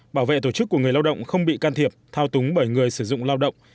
bảo vệ tổ chức của người lao động không bị can thiệp thao túng bởi người sử dụng lao động